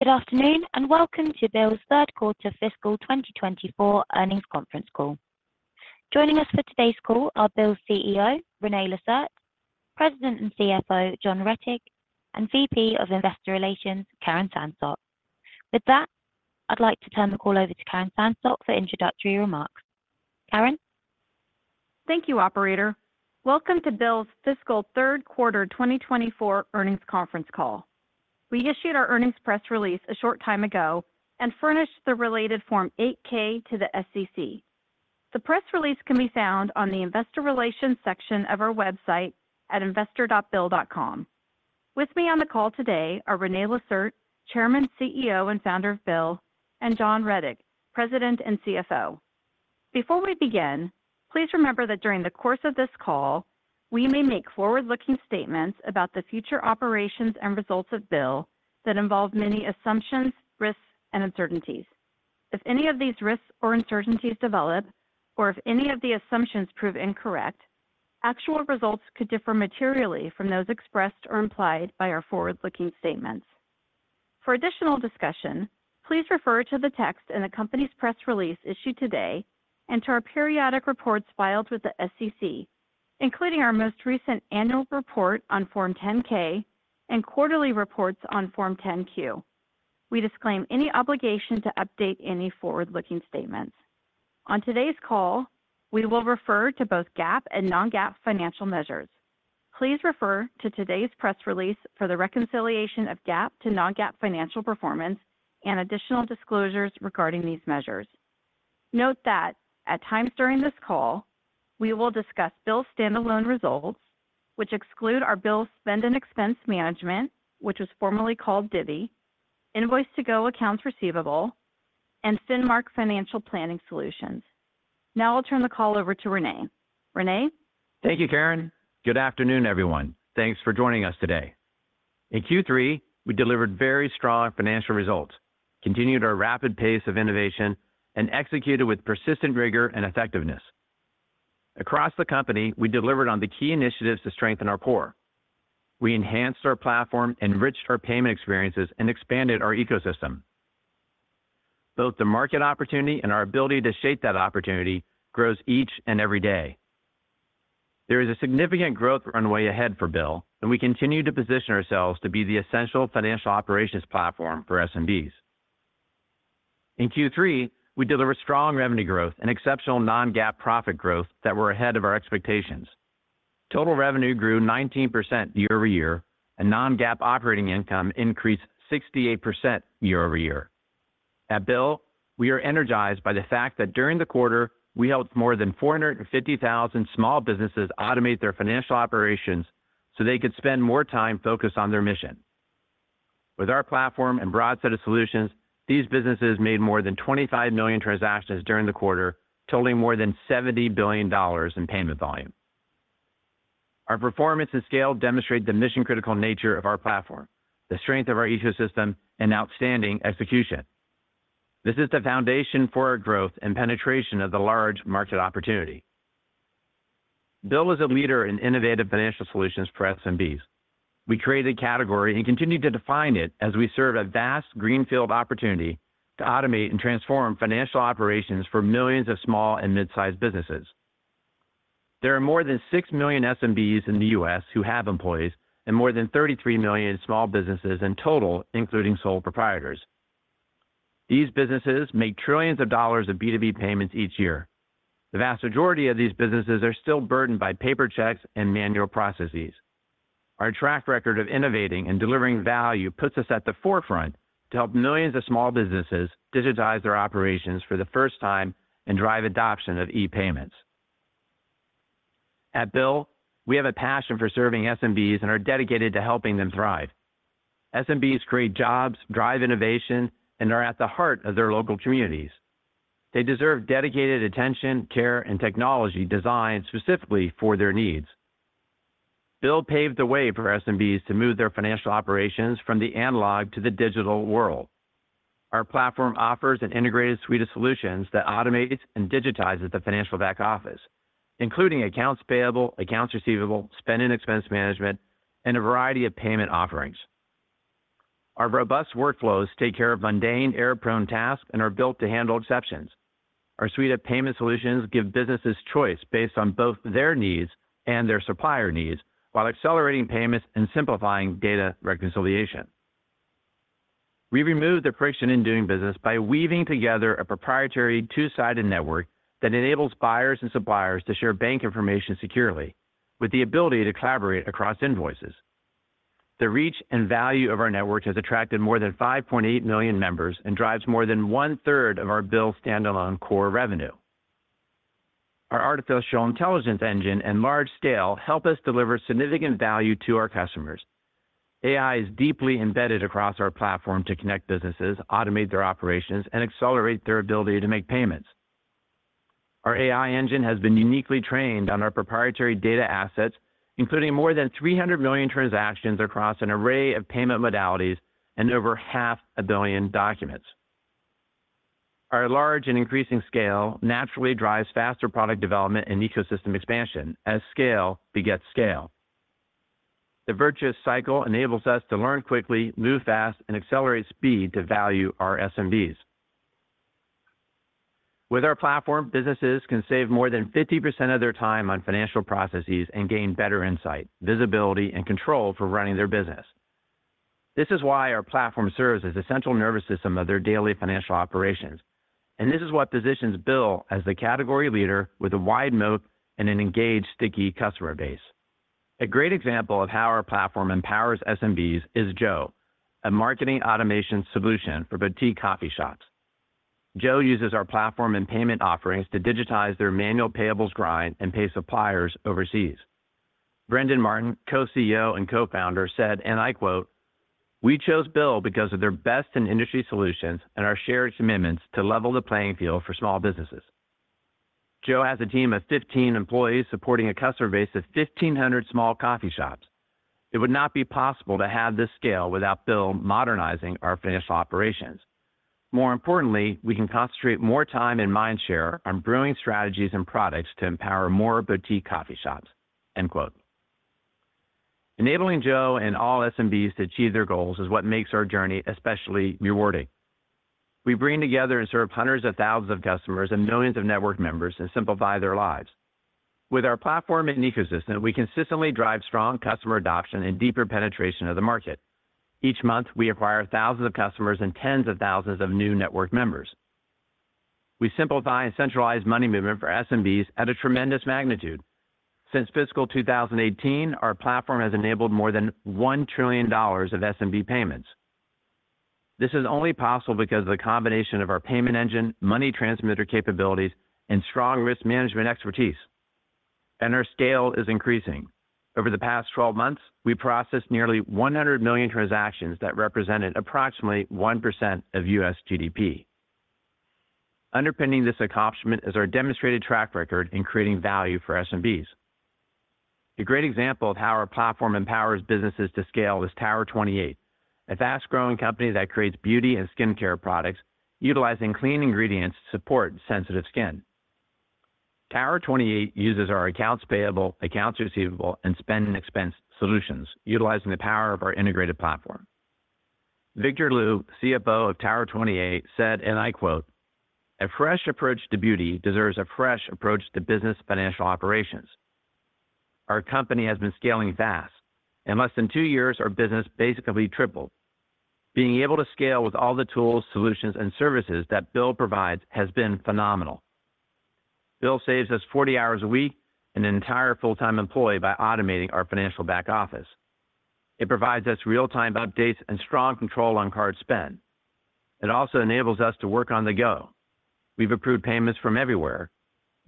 Good afternoon, and welcome to BILL's third quarter fiscal 2024 earnings conference call. Joining us for today's call are BILL's CEO, René Lacerte, President and CFO, John Rettig, and VP of Investor Relations, Karen Sansot. With that, I'd like to turn the call over to Karen Sansot for introductory remarks. Karen? Thank you, operator. Welcome to BILL's fiscal third quarter 2024 earnings conference call. We issued our earnings press release a short time ago and furnished the related Form 8-K to the SEC. The press release can be found on the Investor Relations section of our website at investor.bill.com. With me on the call today are René Lacerte, Chairman, CEO, and Founder of BILL, and John Rettig, President and CFO. Before we begin, please remember that during the course of this call, we may make forward-looking statements about the future operations and results of BILL that involve many assumptions, risks, and uncertainties. If any of these risks or uncertainties develop, or if any of the assumptions prove incorrect, actual results could differ materially from those expressed or implied by our forward-looking statements. For additional discussion, please refer to the text in the company's press release issued today and to our periodic reports filed with the SEC, including our most recent annual report on Form 10-K and quarterly reports on Form 10-Q. We disclaim any obligation to update any forward-looking statements. On today's call, we will refer to both GAAP and non-GAAP financial measures. Please refer to today's press release for the reconciliation of GAAP to non-GAAP financial performance and additional disclosures regarding these measures. Note that at times during this call, we will discuss BILL's standalone results, which exclude our BILL Spend and Expense management, which was formerly called Divvy, Invoice2go accounts receivable, and Finmark Financial Planning Solutions. Now I'll turn the call over to René. René? Thank you, Karen. Good afternoon, everyone. Thanks for joining us today. In Q3, we delivered very strong financial results, continued our rapid pace of innovation, and executed with persistent rigor and effectiveness. Across the company, we delivered on the key initiatives to strengthen our core. We enhanced our platform, enriched our payment experiences, and expanded our ecosystem. Both the market opportunity and our ability to shape that opportunity grows each and every day. There is a significant growth runway ahead for BILL, and we continue to position ourselves to be the essential financial operations platform for SMBs. In Q3, we delivered strong revenue growth and exceptional non-GAAP profit growth that were ahead of our expectations. Total revenue grew 19% year-over-year, and non-GAAP operating income increased 68% year-over-year. At BILL, we are energized by the fact that during the quarter, we helped more than 450,000 small businesses automate their financial operations so they could spend more time focused on their mission. With our platform and broad set of solutions, these businesses made more than 25 million transactions during the quarter, totaling more than $70 billion in payment volume. Our performance and scale demonstrate the mission-critical nature of our platform, the strength of our ecosystem, and outstanding execution. This is the foundation for our growth and penetration of the large market opportunity. BILL is a leader in innovative financial solutions for SMBs. We created a category and continued to define it as we serve a vast greenfield opportunity to automate and transform financial operations for millions of small and mid-sized businesses. There are more than 6 million SMBs in the U.S. who have employees, and more than 33 million small businesses in total, including sole proprietors. These businesses make $ trillions of B2B payments each year. The vast majority of these businesses are still burdened by paper checks and manual processes. Our track record of innovating and delivering value puts us at the forefront to help millions of small businesses digitize their operations for the first time and drive adoption of e-payments. At Bill, we have a passion for serving SMBs and are dedicated to helping them thrive. SMBs create jobs, drive innovation, and are at the heart of their local communities. They deserve dedicated attention, care, and technology designed specifically for their needs. Bill paved the way for SMBs to move their financial operations from the analog to the digital world. Our platform offers an integrated suite of solutions that automates and digitizes the financial back office, including accounts payable, accounts receivable, spend and expense management, and a variety of payment offerings. Our robust workflows take care of mundane, error-prone tasks and are built to handle exceptions. Our suite of payment solutions give businesses choice based on both their needs and their supplier needs while accelerating payments and simplifying data reconciliation. We remove the friction in doing business by weaving together a proprietary two-sided network that enables buyers and suppliers to share bank information securely, with the ability to collaborate across invoices. The reach and value of our network has attracted more than 5.8 million members and drives more than one-third of our BILL standalone core revenue. Our artificial intelligence engine and large scale help us deliver significant value to our customers. AI is deeply embedded across our platform to connect businesses, automate their operations, and accelerate their ability to make payments. Our AI engine has been uniquely trained on our proprietary data assets, including more than 300 million transactions across an array of payment modalities and over 500 million documents... Our large and increasing scale naturally drives faster product development and ecosystem expansion, as scale begets scale. The virtuous cycle enables us to learn quickly, move fast, and accelerate speed to value our SMBs. With our platform, businesses can save more than 50% of their time on financial processes and gain better insight, visibility, and control for running their business. This is why our platform serves as the central nervous system of their daily financial operations, and this is what positions BILL as the category leader with a wide moat and an engaged, sticky customer base. A great example of how our platform empowers SMBs is Joe, a marketing automation solution for boutique coffee shops. Joe uses our platform and payment offerings to digitize their manual payables grind and pay suppliers overseas. Brendan Martin, co-CEO and co-founder, said, and I quote, "We chose BILL because of their best-in-industry solutions and our shared commitments to level the playing field for small businesses. Joe has a team of 15 employees supporting a customer base of 1,500 small coffee shops. It would not be possible to have this scale without BILL modernizing our financial operations. More importantly, we can concentrate more time and mind share on brewing strategies and products to empower more boutique coffee shops," end quote. Enabling Joe and all SMBs to achieve their goals is what makes our journey especially rewarding. We bring together and serve hundreds of thousands of customers and millions of network members, and simplify their lives. With our platform and ecosystem, we consistently drive strong customer adoption and deeper penetration of the market. Each month, we acquire thousands of customers and tens of thousands of new network members. We simplify and centralize money movement for SMBs at a tremendous magnitude. Since fiscal 2018, our platform has enabled more than $1 trillion of SMB payments. This is only possible because of the combination of our payment engine, money transmitter capabilities, and strong risk management expertise, and our scale is increasing. Over the past 12 months, we processed nearly 100 million transactions that represented approximately 1% of U.S. GDP. Underpinning this accomplishment is our demonstrated track record in creating value for SMBs. A great example of how our platform empowers businesses to scale is Tower 28, a fast-growing company that creates beauty and skincare products, utilizing clean ingredients to support sensitive skin. Tower 28 uses our accounts payable, accounts receivable, and spend and expense solutions, utilizing the power of our integrated platform. Victor Liu, CFO of Tower 28, said, and I quote, "A fresh approach to beauty deserves a fresh approach to business financial operations. Our company has been scaling fast. In less than two years, our business basically tripled. Being able to scale with all the tools, solutions, and services that Bill provides has been phenomenal. Bill saves us 40 hours a week and an entire full-time employee by automating our financial back office. It provides us real-time updates and strong control on card spend. It also enables us to work on the go. We've approved payments from everywhere.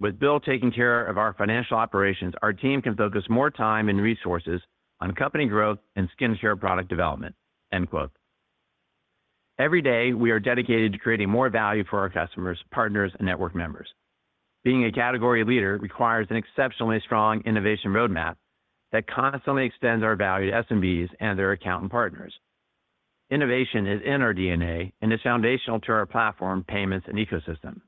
With BILL taking care of our financial operations, our team can focus more time and resources on company growth and skin care product development," end quote. Every day, we are dedicated to creating more value for our customers, partners, and network members. Being a category leader requires an exceptionally strong innovation roadmap that constantly extends our value to SMBs and their accountant partners. Innovation is in our DNA and is foundational to our platform, payments, and ecosystem.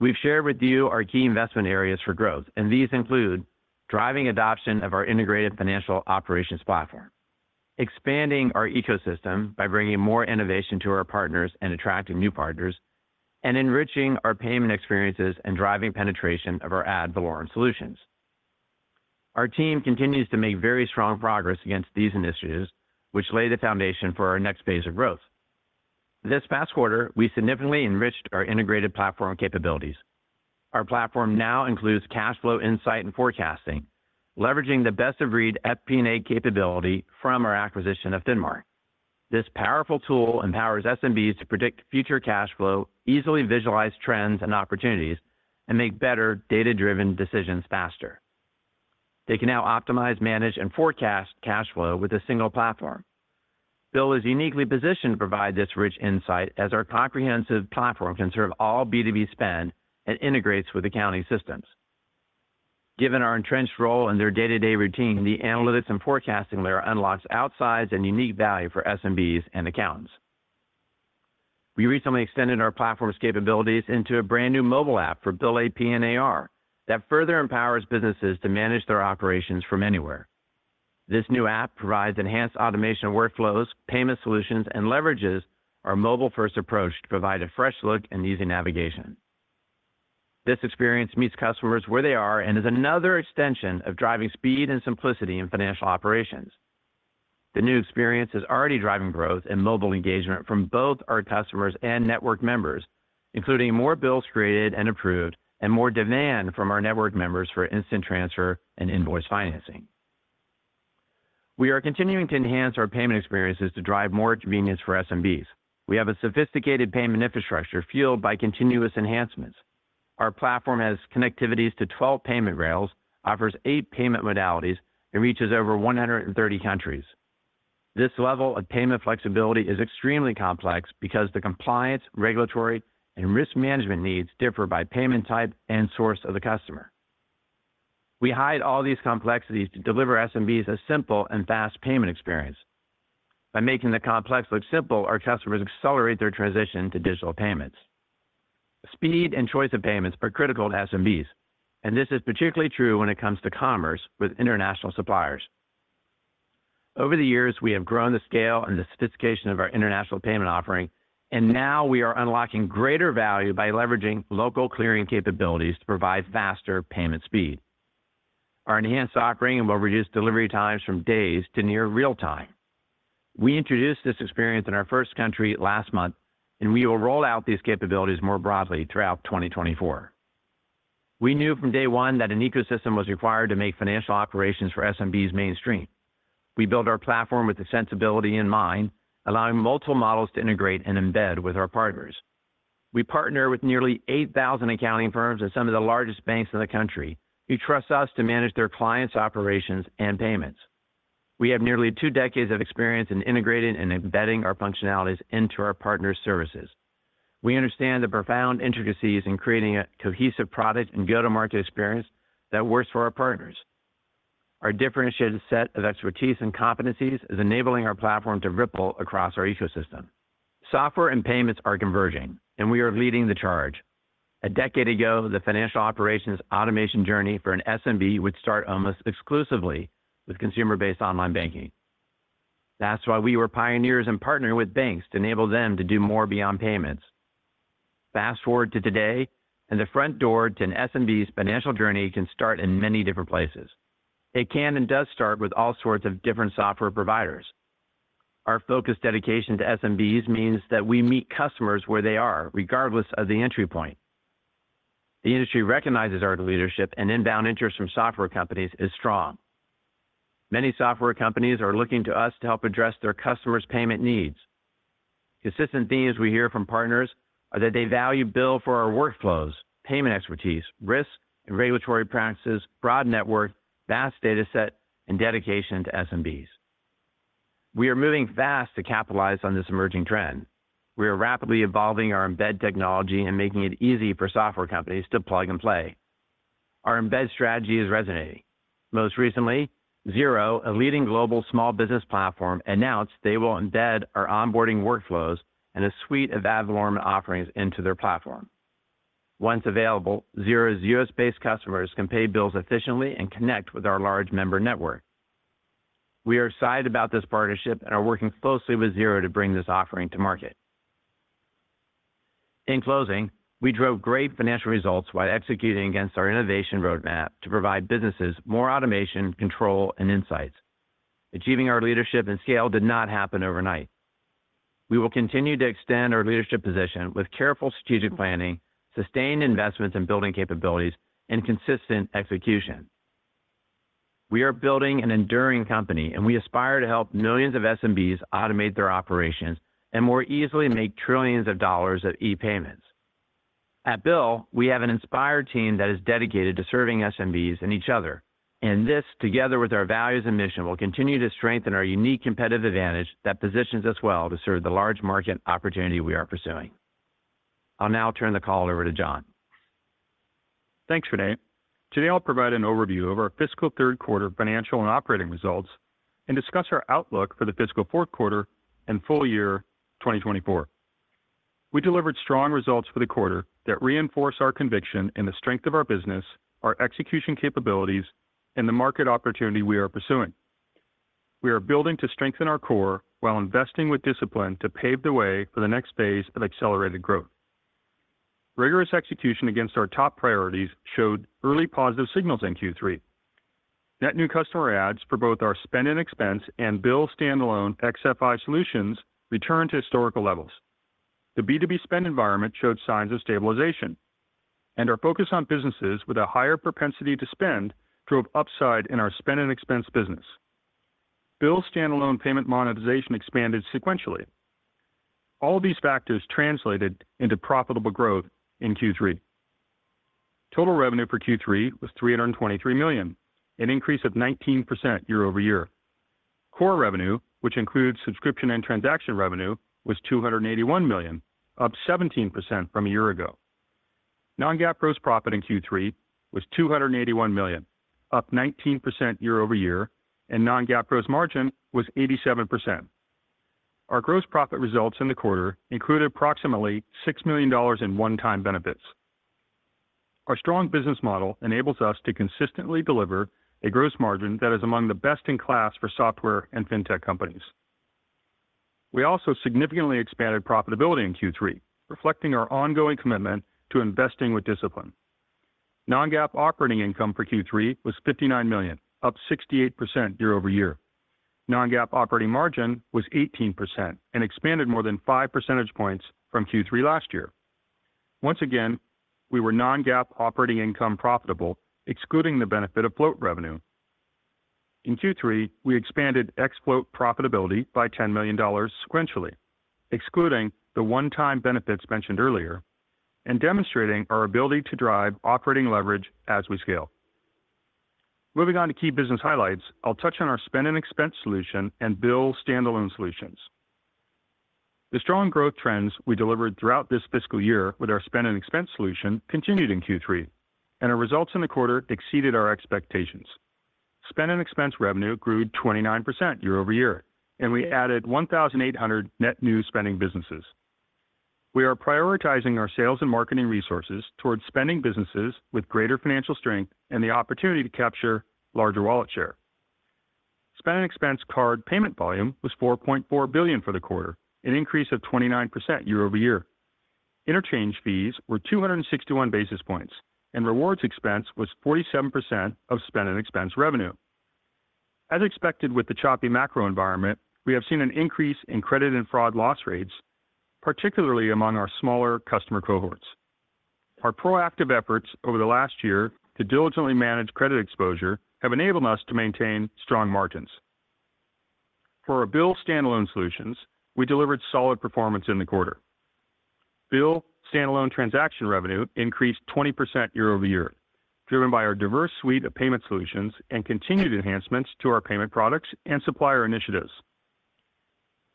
We've shared with you our key investment areas for growth, and these include driving adoption of our integrated financial operations platform, expanding our ecosystem by bringing more innovation to our partners and attracting new partners, and enriching our payment experiences and driving penetration of our ad valorem solutions. Our team continues to make very strong progress against these initiatives, which lay the foundation for our next phase of growth. This past quarter, we significantly enriched our integrated platform capabilities. Our platform now includes cash flow insight and forecasting, leveraging the best-of-breed FP&A capability from our acquisition of Finmark. This powerful tool empowers SMBs to predict future cash flow, easily visualize trends and opportunities, and make better data-driven decisions faster. They can now optimize, manage, and forecast cash flow with a single platform. BILL is uniquely positioned to provide this rich insight, as our comprehensive platform can serve all B2B spend and integrates with accounting systems. Given our entrenched role in their day-to-day routine, the analytics and forecasting layer unlocks outsized and unique value for SMBs and accountants. We recently extended our platform's capabilities into a brand-new mobile app for BILL AP and AR that further empowers businesses to manage their operations from anywhere. This new app provides enhanced automation of workflows, payment solutions, and leverages our mobile-first approach to provide a fresh look and easy navigation. This experience meets customers where they are and is another extension of driving speed and simplicity in financial operations. The new experience is already driving growth and mobile engagement from both our customers and network members, including more bills created and approved, and more demand from our network members for instant transfer and invoice financing. We are continuing to enhance our payment experiences to drive more convenience for SMBs. We have a sophisticated payment infrastructure fueled by continuous enhancements. Our platform has connectivities to 12 payment rails, offers 8 payment modalities, and reaches over 130 countries. This level of payment flexibility is extremely complex because the compliance, regulatory, and risk management needs differ by payment type and source of the customer. We hide all these complexities to deliver SMBs a simple and fast payment experience. By making the complex look simple, our customers accelerate their transition to digital payments. Speed and choice of payments are critical to SMBs, and this is particularly true when it comes to commerce with international suppliers. Over the years, we have grown the scale and the sophistication of our international payment offering, and now we are unlocking greater value by leveraging local clearing capabilities to provide faster payment speed. Our enhanced offering will reduce delivery times from days to near real-time. We introduced this experience in our first country last month, and we will roll out these capabilities more broadly throughout 2024. We knew from day one that an ecosystem was required to make financial operations for SMBs mainstream. We built our platform with the sensibility in mind, allowing multiple models to integrate and embed with our partners. We partner with nearly 8,000 accounting firms and some of the largest banks in the country, who trust us to manage their clients' operations and payments. We have nearly two decades of experience in integrating and embedding our functionalities into our partner services. We understand the profound intricacies in creating a cohesive product and go-to-market experience that works for our partners. Our differentiated set of expertise and competencies is enabling our platform to ripple across our ecosystem. Software and payments are converging, and we are leading the charge. A decade ago, the financial operations automation journey for an SMB would start almost exclusively with consumer-based online banking. That's why we were pioneers in partnering with banks to enable them to do more beyond payments. Fast-forward to today, and the front door to an SMB's financial journey can start in many different places. It can and does start with all sorts of different software providers. Our focused dedication to SMBs means that we meet customers where they are, regardless of the entry point. The industry recognizes our leadership and inbound interest from software companies is strong. Many software companies are looking to us to help address their customers' payment needs. Consistent themes we hear from partners are that they value BILL for our workflows, payment expertise, risk and regulatory practices, broad network, vast data set, and dedication to SMBs. We are moving fast to capitalize on this emerging trend. We are rapidly evolving our embed technology and making it easy for software companies to plug and play. Our embed strategy is resonating. Most recently, Xero, a leading global small business platform, announced they will embed our onboarding workflows and a suite of ad valorem offerings into their platform. Once available, Xero's U.S.-based customers can pay bills efficiently and connect with our large member network. We are excited about this partnership and are working closely with Xero to bring this offering to market. In closing, we drove great financial results while executing against our innovation roadmap to provide businesses more automation, control, and insights. Achieving our leadership and scale did not happen overnight. We will continue to extend our leadership position with careful strategic planning, sustained investments in building capabilities, and consistent execution. We are building an enduring company, and we aspire to help millions of SMBs automate their operations and more easily make trillions of dollars of e-payments. At BILL, we have an inspired team that is dedicated to serving SMBs and each other, and this, together with our values and mission, will continue to strengthen our unique competitive advantage that positions us well to serve the large market opportunity we are pursuing. I'll now turn the call over to John. Thanks, René. Today, I'll provide an overview of our fiscal third quarter financial and operating results and discuss our outlook for the fiscal fourth quarter and full year 2024. We delivered strong results for the quarter that reinforce our conviction in the strength of our business, our execution capabilities, and the market opportunity we are pursuing. We are building to strengthen our core while investing with discipline to pave the way for the next phase of accelerated growth. Rigorous execution against our top priorities showed early positive signals in Q3. Net new customer adds for both our spend and expense and BILL standalone AP/AR solutions returned to historical levels. The B2B spend environment showed signs of stabilization, and our focus on businesses with a higher propensity to spend drove upside in our spend and expense business. BILL standalone payment monetization expanded sequentially. All of these factors translated into profitable growth in Q3. Total revenue for Q3 was $323 million, an increase of 19% year-over-year. Core revenue, which includes subscription and transaction revenue, was $281 million, up 17% from a year ago. Non-GAAP gross profit in Q3 was $281 million, up 19% year-over-year, and non-GAAP gross margin was 87%. Our gross profit results in the quarter included approximately $6 million in one-time benefits. Our strong business model enables us to consistently deliver a gross margin that is among the best-in-class for software and fintech companies. We also significantly expanded profitability in Q3, reflecting our ongoing commitment to investing with discipline. Non-GAAP operating income for Q3 was $59 million, up 68% year-over-year. Non-GAAP operating margin was 18% and expanded more than 5 percentage points from Q3 last year. Once again, we were non-GAAP operating income profitable, excluding the benefit of float revenue. In Q3, we expanded ex float profitability by $10 million sequentially, excluding the one-time benefits mentioned earlier and demonstrating our ability to drive operating leverage as we scale. Moving on to key business highlights, I'll touch on our spend and expense solution and BILL standalone solutions. The strong growth trends we delivered throughout this fiscal year with our spend and expense solution continued in Q3, and our results in the quarter exceeded our expectations. Spend and expense revenue grew 29% year-over-year, and we added 1,800 net new spending businesses. We are prioritizing our sales and marketing resources towards spending businesses with greater financial strength and the opportunity to capture larger wallet share. Spend and Expense card payment volume was $4.4 billion for the quarter, an increase of 29% year-over-year. Interchange fees were 261 basis points, and rewards expense was 47% of BILL Spend and Expense revenue. As expected, with the choppy macro environment, we have seen an increase in credit and fraud loss rates, particularly among our smaller customer cohorts. Our proactive efforts over the last year to diligently manage credit exposure have enabled us to maintain strong margins. For our BILL Standalone solutions, we delivered solid performance in the quarter. BILL Standalone transaction revenue increased 20% year-over-year, driven by our diverse suite of payment solutions and continued enhancements to our payment products and supplier initiatives.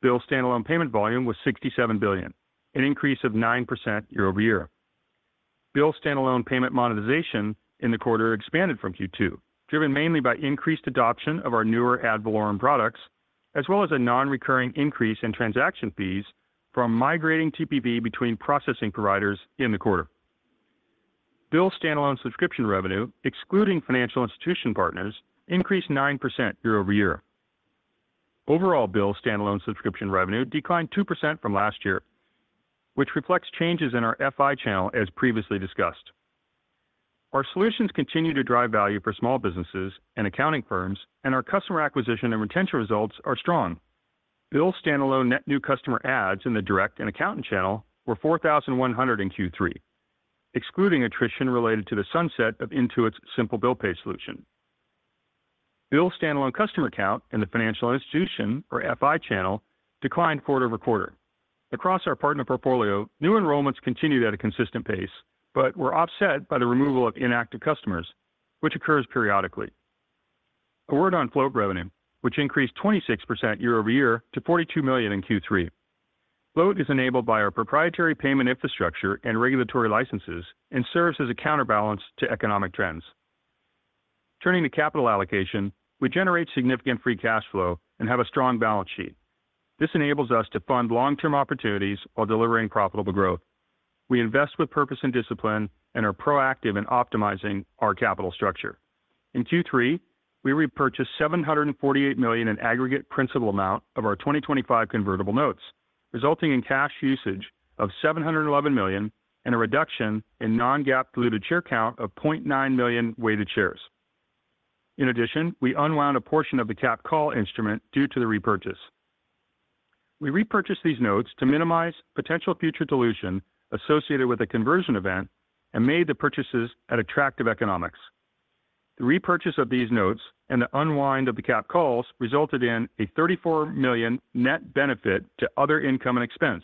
BILL Standalone payment volume was $67 billion, an increase of 9% year-over-year. BILL Standalone payment monetization in the quarter expanded from Q2, driven mainly by increased adoption of our newer ad valorem products, as well as a non-recurring increase in transaction fees from migrating TPV between processing providers in the quarter. BILL Standalone subscription revenue, excluding financial institution partners, increased 9% year-over-year. Overall, BILL Standalone subscription revenue declined 2% from last year, which reflects changes in our FI channel, as previously discussed. Our solutions continue to drive value for small businesses and accounting firms, and our customer acquisition and retention results are strong. BILL Standalone net new customer adds in the direct and accountant channel were 4,100 in Q3, excluding attrition related to the sunset of Intuit's Simple Bill Pay solution. BILL Standalone customer count in the financial institution, or FI channel, declined quarter-over-quarter. Across our partner portfolio, new enrollments continued at a consistent pace, but were offset by the removal of inactive customers, which occurs periodically. A word on float revenue, which increased 26% year-over-year to $42 million in Q3. Float is enabled by our proprietary payment infrastructure and regulatory licenses and serves as a counterbalance to economic trends. Turning to capital allocation, we generate significant free cash flow and have a strong balance sheet. This enables us to fund long-term opportunities while delivering profitable growth. We invest with purpose and discipline and are proactive in optimizing our capital structure. In Q3, we repurchased $748 million in aggregate principal amount of our 2025 convertible notes, resulting in cash usage of $711 million and a reduction in non-GAAP diluted share count of 0.9 million weighted shares. In addition, we unwound a portion of the capped call instrument due to the repurchase. We repurchased these notes to minimize potential future dilution associated with a conversion event and made the purchases at attractive economics. The repurchase of these notes and the unwind of the capped calls resulted in a $34 million net benefit to other income and expense,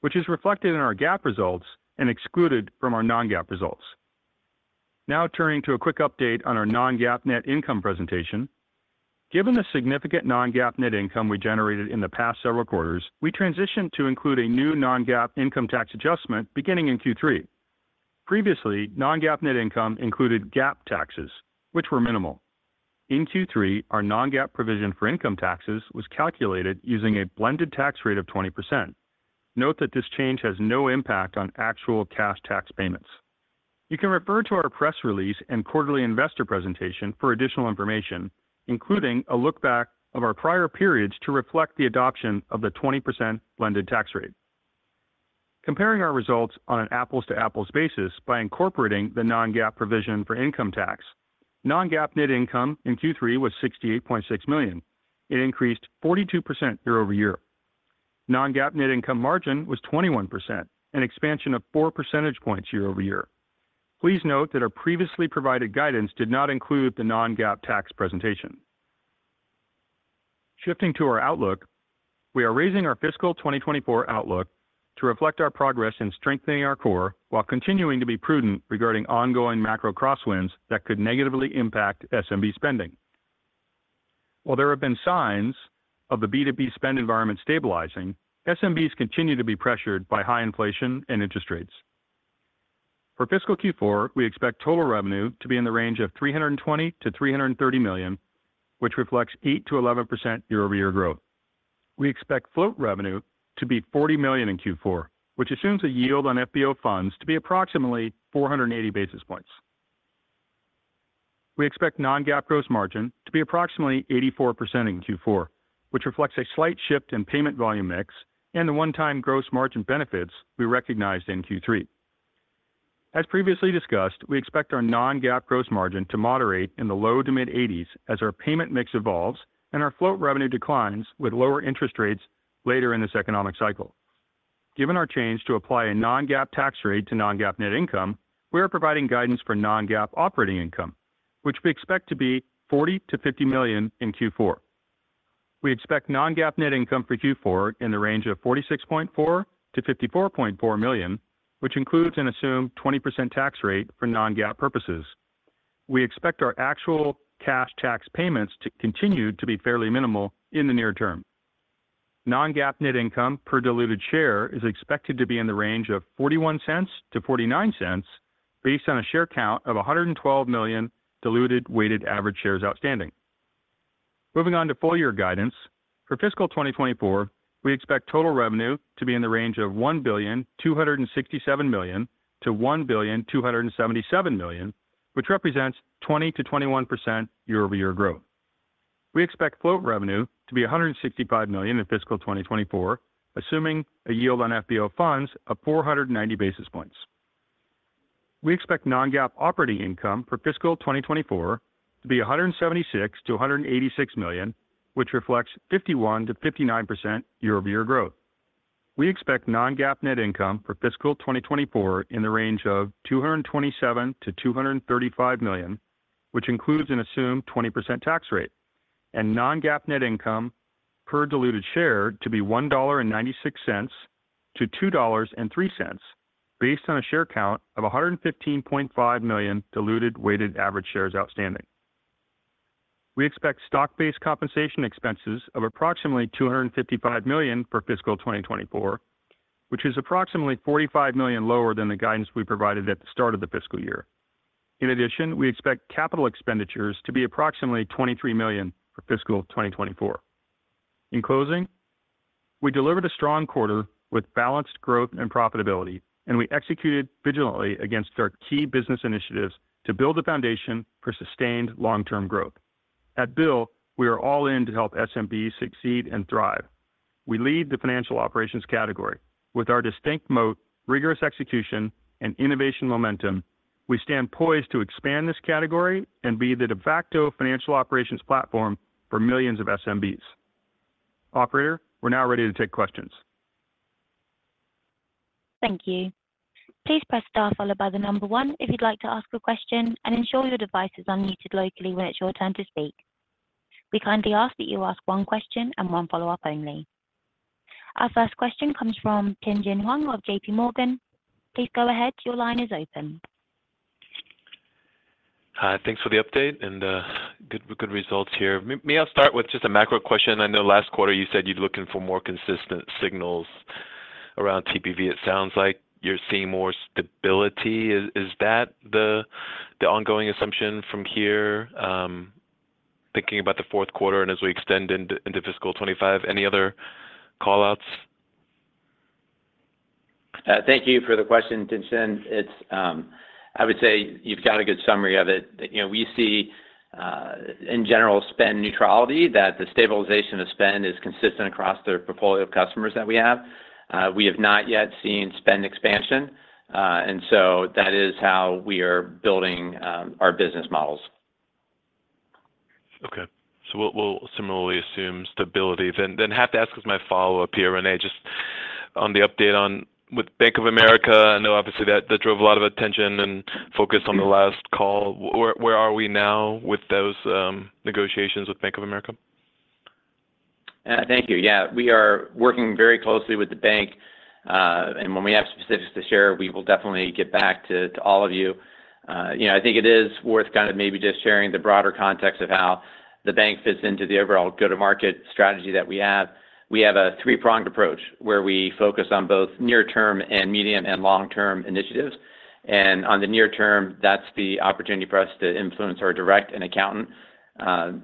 which is reflected in our GAAP results and excluded from our non-GAAP results. Now turning to a quick update on our non-GAAP net income presentation. Given the significant non-GAAP net income we generated in the past several quarters, we transitioned to include a new non-GAAP income tax adjustment beginning in Q3. Previously, non-GAAP net income included GAAP taxes, which were minimal. In Q3, our non-GAAP provision for income taxes was calculated using a blended tax rate of 20%. Note that this change has no impact on actual cash tax payments. You can refer to our press release and quarterly investor presentation for additional information, including a look back of our prior periods, to reflect the adoption of the 20% blended tax rate. Comparing our results on an apples-to-apples basis by incorporating the non-GAAP provision for income tax, non-GAAP net income in Q3 was $68.6 million. It increased 42% year-over-year. Non-GAAP net income margin was 21%, an expansion of 4 percentage points year-over-year. Please note that our previously provided guidance did not include the non-GAAP tax presentation. Shifting to our outlook, we are raising our fiscal 2024 outlook to reflect our progress in strengthening our core while continuing to be prudent regarding ongoing macro crosswinds that could negatively impact SMB spending. While there have been signs of the B2B spend environment stabilizing, SMBs continue to be pressured by high inflation and interest rates. For fiscal Q4, we expect total revenue to be in the range of $320 million-$330 million, which reflects 8%-11% year-over-year growth. We expect float revenue to be $40 million in Q4, which assumes a yield on FBO funds to be approximately 480 basis points. We expect non-GAAP gross margin to be approximately 84% in Q4, which reflects a slight shift in payment volume mix and the one-time gross margin benefits we recognized in Q3. As previously discussed, we expect our non-GAAP gross margin to moderate in the low to mid-80s as our payment mix evolves and our float revenue declines with lower interest rates later in this economic cycle. Given our change to apply a non-GAAP tax rate to non-GAAP net income, we are providing guidance for non-GAAP operating income, which we expect to be $40 million-$50 million in Q4. We expect non-GAAP net income for Q4 in the range of $46.4 million-$54.4 million, which includes an assumed 20% tax rate for non-GAAP purposes. We expect our actual cash tax payments to continue to be fairly minimal in the near term. Non-GAAP net income per diluted share is expected to be in the range of $0.41-$0.49, based on a share count of 112 million diluted weighted average shares outstanding. Moving on to full year guidance. For fiscal 2024, we expect total revenue to be in the range of $1,267 million-$1,277 million, which represents 20%-21% year-over-year growth. We expect float revenue to be $165 million in fiscal 2024, assuming a yield on FBO funds of 490 basis points. We expect non-GAAP operating income for fiscal 2024 to be $176 million-$186 million, which reflects 51%-59% year-over-year growth. We expect non-GAAP net income for fiscal 2024 in the range of $227 million-$235 million, which includes an assumed 20% tax rate, and non-GAAP net income per diluted share to be $1.96-$2.03, based on a share count of 115.5 million diluted weighted average shares outstanding. We expect stock-based compensation expenses of approximately $255 million for fiscal 2024, which is approximately $45 million lower than the guidance we provided at the start of the fiscal year. In addition, we expect capital expenditures to be approximately $23 million for fiscal 2024. In closing, we delivered a strong quarter with balanced growth and profitability, and we executed vigilantly against our key business initiatives to build a foundation for sustained long-term growth. At BILL, we are all in to help SMB succeed and thrive. We lead the financial operations category. With our distinct moat, rigorous execution, and innovation momentum, we stand poised to expand this category and be the de facto financial operations platform for millions of SMBs. Operator, we're now ready to take questions. Thank you. Please press Star followed by the number 1 if you'd like to ask a question, and ensure your device is unmuted locally when it's your turn to speak. We kindly ask that you ask one question and one follow-up only. Our first question comes from Tien-Tsin Huang of JPMorgan. Please go ahead. Your line is open. Hi, thanks for the update and good, good results here. May I start with just a macro question? I know last quarter you said you're looking for more consistent signals around TPV. It sounds like you're seeing more stability. Is that the ongoing assumption from here, thinking about the fourth quarter and as we extend into fiscal 2025, any other call-outs? Thank you for the question, Tien-Tsin. It's... I would say you've got a good summary of it. You know, we see, in general, spend neutrality, that the stabilization of spend is consistent across the portfolio of customers that we have. We have not yet seen spend expansion, and so that is how we are building our business models. Okay. So we'll similarly assume stability. Then have to ask as my follow-up here, René, just on the update on with Bank of America, I know obviously that drove a lot of attention and focus on the last call. Where are we now with those negotiations with Bank of America? Thank you. Yeah, we are working very closely with the bank, and when we have specifics to share, we will definitely get back to all of you. You know, I think it is worth kind of maybe just sharing the broader context of how the bank fits into the overall go-to-market strategy that we have. We have a three-pronged approach, where we focus on both near term and medium and long-term initiatives. On the near term, that's the opportunity for us to influence our direct and accountant.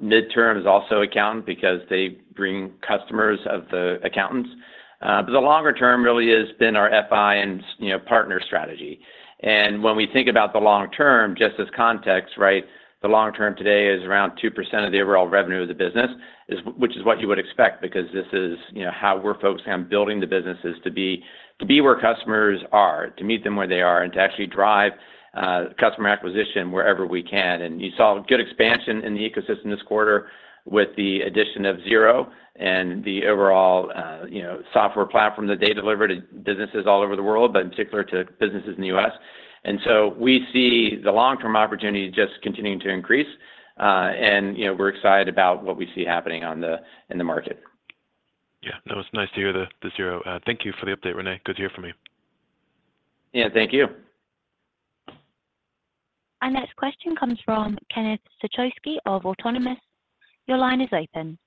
Mid-term is also accountant, because they bring customers of the accountants. But the longer term really has been our FI and, you know, partner strategy. When we think about the long term, just as context, right, the long term today is around 2% of the overall revenue of the business, which is what you would expect, because this is, you know, how we're focusing on building the businesses to be, to be where customers are, to meet them where they are, and to actually drive customer acquisition wherever we can. You saw good expansion in the ecosystem this quarter with the addition of Xero and the overall, you know, software platform that they deliver to businesses all over the world, but in particular to businesses in the U.S. So we see the long-term opportunity just continuing to increase, and, you know, we're excited about what we see happening in the market. Yeah, no, it's nice to hear the Xero. Thank you for the update, René. Good to hear from you. Yeah, thank you. Our next question comes from Ken Suchoski of Autonomous. Your line is open.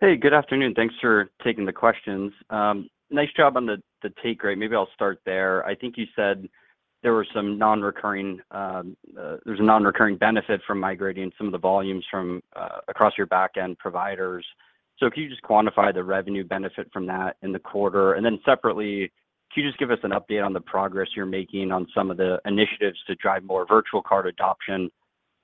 Hey, good afternoon. Thanks for taking the questions. Nice job on the take rate. Maybe I'll start there. I think you said there was a non-recurring benefit from migrating some of the volumes from across your back-end providers. So can you just quantify the revenue benefit from that in the quarter? And then separately, can you just give us an update on the progress you're making on some of the initiatives to drive more virtual card adoption?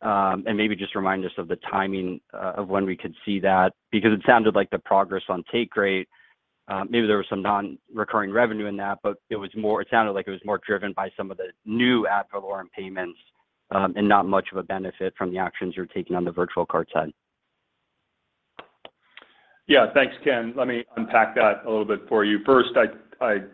And maybe just remind us of the timing of when we could see that, because it sounded like the progress on take rate, maybe there was some non-recurring revenue in that, but it was more- it sounded like it was more driven by some of the new ad valorem payments, and not much of a benefit from the actions you're taking on the virtual card side. Yeah, thanks, Ken. Let me unpack that a little bit for you. First,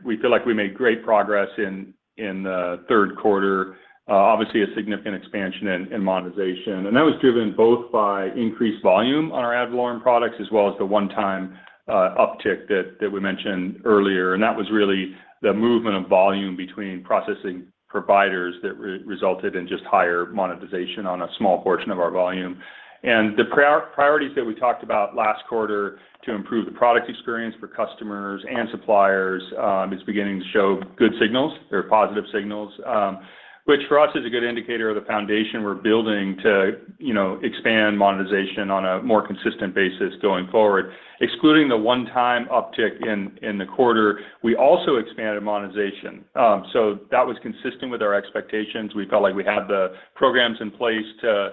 we feel like we made great progress in the third quarter. Obviously, a significant expansion in monetization, and that was driven both by increased volume on our ad valorem products, as well as the one-time uptick that we mentioned earlier. That was really the movement of volume between processing providers that resulted in just higher monetization on a small portion of our volume. The priorities that we talked about last quarter to improve the product experience for customers and suppliers is beginning to show good signals or positive signals, which for us is a good indicator of the foundation we're building to, you know, expand monetization on a more consistent basis going forward. Excluding the one-time uptick in the quarter, we also expanded monetization. So that was consistent with our expectations. We felt like we had the programs in place to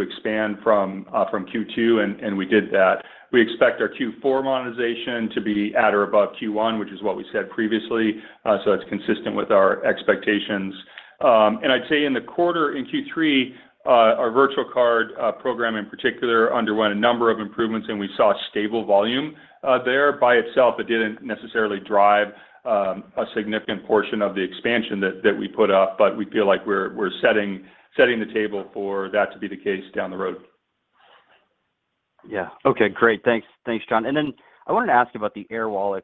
expand from Q2, and we did that. We expect our Q4 monetization to be at or above Q1, which is what we said previously. So that's consistent with our expectations. I'd say in the quarter, in Q3, our virtual card program, in particular, underwent a number of improvements, and we saw stable volume there. By itself, it didn't necessarily drive a significant portion of the expansion that we put up, but we feel like we're setting the table for that to be the case down the road. Yeah. Okay, great. Thanks. Thanks, John. And then I wanted to ask you about the Airwallex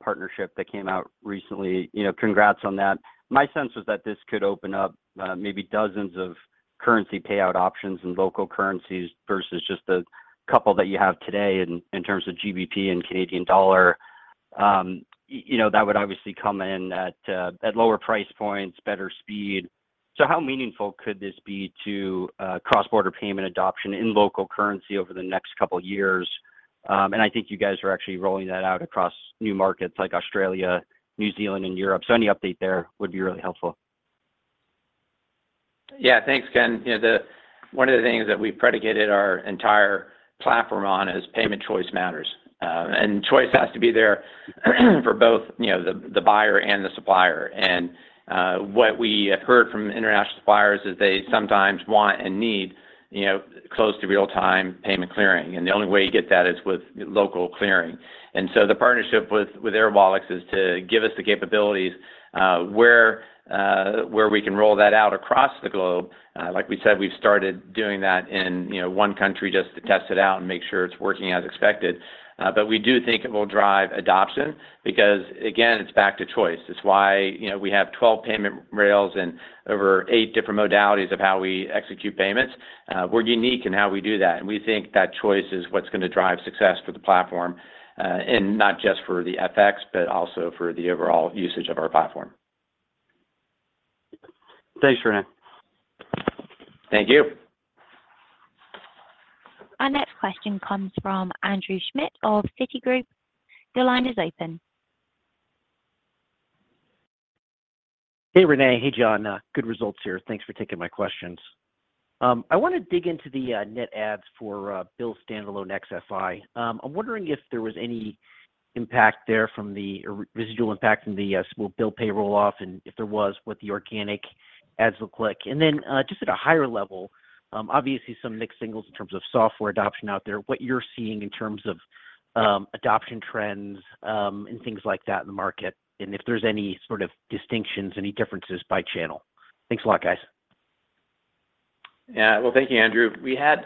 partnership that came out recently. You know, congrats on that. My sense was that this could open up maybe dozens of currency payout options and local currencies versus just the couple that you have today in terms of GBP and Canadian dollar. You know, that would obviously come in at lower price points, better speed. So how meaningful could this be to cross-border payment adoption in local currency over the next couple of years? And I think you guys are actually rolling that out across new markets like Australia, New Zealand, and Europe. So any update there would be really helpful. Yeah. Thanks, Ken. You know, the one of the things that we predicated our entire platform on is payment choice matters. And choice has to be there for both, you know, the buyer and the supplier. And what we have heard from international suppliers is they sometimes want and need, you know, close to real-time payment clearing, and the only way you get that is with local clearing. And so the partnership with Airwallex is to give us the capabilities, where we can roll that out across the globe. Like we said, we've started doing that in, you know, one country just to test it out and make sure it's working as expected. But we do think it will drive adoption because, again, it's back to choice. It's why, you know, we have 12 payment rails and over 8 different modalities of how we execute payments. We're unique in how we do that, and we think that choice is what's going to drive success for the platform, and not just for the FX, but also for the overall usage of our platform. Thanks, Rene. Thank you. Our next question comes from Andrew Schmidt of Citigroup. Your line is open. Hey, René. Hey, John. Good results here. Thanks for taking my questions. I want to dig into the net adds for BILL standalone NextFI. I'm wondering if there was any impact there from or residual impact from the small bill pay roll-off, and if there was, what the organic adds look like. And then, just at a higher level, obviously, some mixed signals in terms of software adoption out there, what you're seeing in terms of adoption trends, and things like that in the market, and if there's any sort of distinctions, any differences by channel. Thanks a lot, guys. Yeah. Well, thank you, Andrew. We had,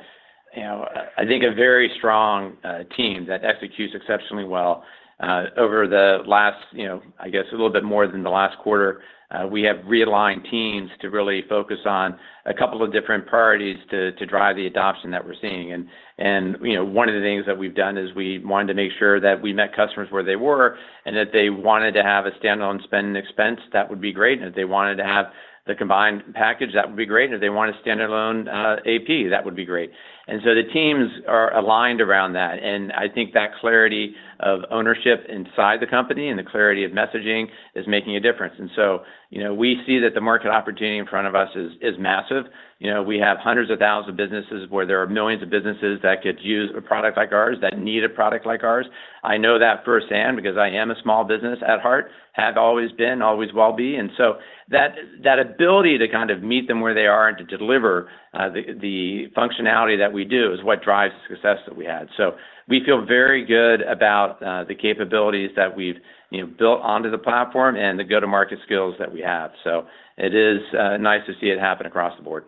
you know, I think, a very strong team that executes exceptionally well. Over the last, you know, I guess, a little bit more than the last quarter, we have realigned teams to really focus on a couple of different priorities to drive the adoption that we're seeing. And, you know, one of the things that we've done is we wanted to make sure that we met customers where they were and that they wanted to have a standalone spend and expense. That would be great. And if they wanted to have the combined package, that would be great. And if they wanted a standalone AP, that would be great. And so the teams are aligned around that, and I think that clarity of ownership inside the company and the clarity of messaging is making a difference. And so, you know, we see that the market opportunity in front of us is massive. You know, we have hundreds of thousands of businesses, where there are millions of businesses that could use a product like ours, that need a product like ours. I know that firsthand because I am a small business at heart, have always been, always will be. And so that ability to kind of meet them where they are and to deliver the functionality that we do is what drives the success that we had. So we feel very good about the capabilities that we've, you know, built onto the platform and the go-to-market skills that we have. So it is nice to see it happen across the board.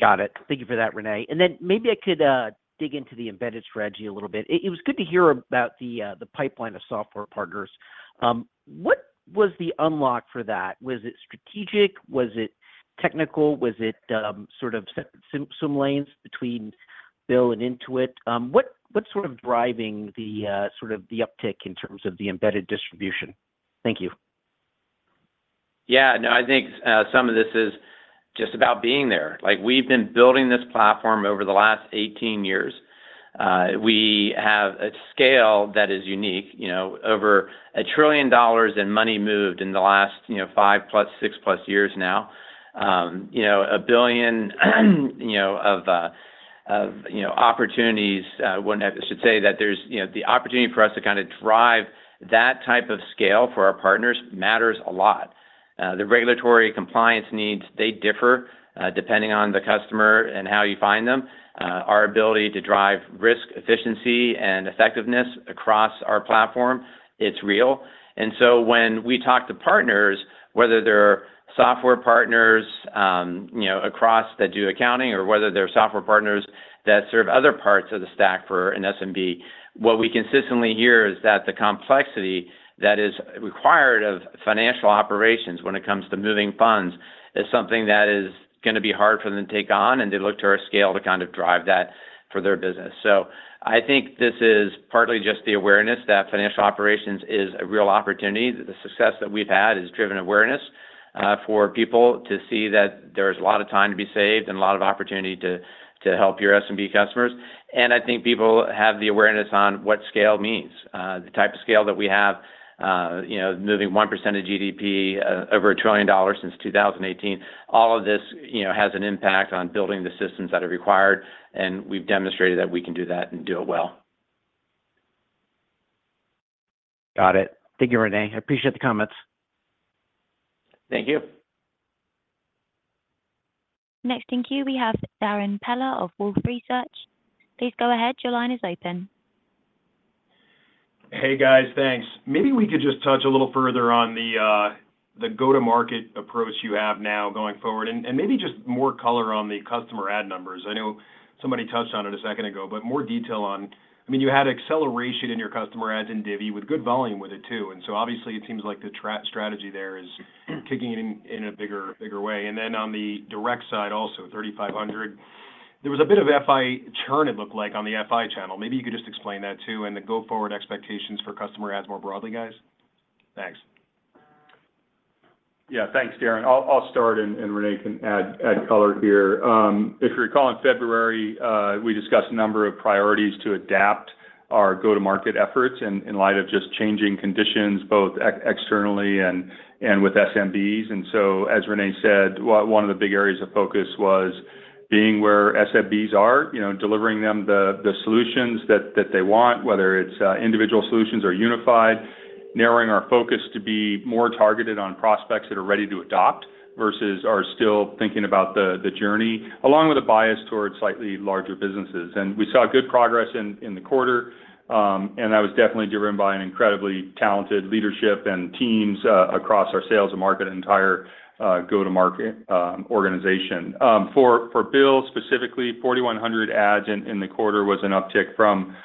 Got it. Thank you for that, René. And then maybe I could dig into the embedded strategy a little bit. It was good to hear about the pipeline of software partners. What was the unlock for that? Was it strategic? Was it technical? Was it sort of some lanes between Bill and Intuit? What, what's sort of driving the uptick in terms of the embedded distribution? Thank you. Yeah. No, I think, some of this is just about being there. Like, we've been building this platform over the last 18 years. We have a scale that is unique, you know, over $1 trillion in money moved in the last, you know, 5+, 6+ years now. You know, 1 billion of opportunities, when, I should say that there's, you know, the opportunity for us to kind of drive that type of scale for our partners matters a lot. The regulatory compliance needs, they differ, depending on the customer and how you find them. Our ability to drive risk, efficiency, and effectiveness across our platform, it's real. So when we talk to partners, whether they're software partners, you know, across that do accounting or whether they're software partners that serve other parts of the stack for an SMB, what we consistently hear is that the complexity that is required of financial operations when it comes to moving funds is something that is going to be hard for them to take on, and they look to our scale to kind of drive that for their business. So I think this is partly just the awareness that financial operations is a real opportunity. The success that we've had has driven awareness for people to see that there's a lot of time to be saved and a lot of opportunity to help your SMB customers. I think people have the awareness on what scale means. The type of scale that we have, you know, moving 1% of GDP, over $1 trillion since 2018, all of this, you know, has an impact on building the systems that are required, and we've demonstrated that we can do that and do it well. Got it. Thank you, René. I appreciate the comments. Thank you. Next in queue, we have Darren Peller of Wolfe Research. Please go ahead. Your line is open. Hey, guys, thanks. Maybe we could just touch a little further on the go-to-market approach you have now going forward, and maybe just more color on the customer add numbers. I know somebody touched on it a second ago, but more detail on... I mean, you had acceleration in your customer adds in Divvy with good volume with it, too. And so obviously it seems like the strategy there is kicking in in a bigger way. And then on the direct side, also 3,500, there was a bit of FI churn it looked like on the FI channel. Maybe you could just explain that, too, and the go-forward expectations for customer adds more broadly, guys. Thanks. Yeah, thanks, Darren. I'll start, and René can add color here. If you recall, in February, we discussed a number of priorities to adapt our go-to-market efforts in light of just changing conditions, both externally and with SMBs. And so, as René said, one of the big areas of focus was being where SMBs are, you know, delivering them the solutions that they want, whether it's individual solutions or unified, narrowing our focus to be more targeted on prospects that are ready to adopt versus are still thinking about the journey, along with a bias towards slightly larger businesses. And we saw good progress in the quarter, and that was definitely driven by an incredibly talented leadership and teams across our sales and marketing entire go-to-market organization. For BILL, specifically, 4,100 adds in the quarter was an uptick from